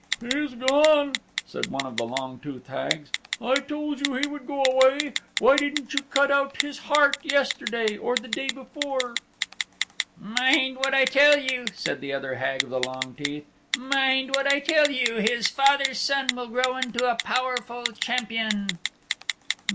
"He's gone," said one of the long toothed Hags. "I told you he would go away. Why didn't you cut out his heart yesterday, or the day before?" "Mind what I tell you," said the other Hag of the Long Teeth. "Mind what I tell you. His father's son will grow into a powerful champion."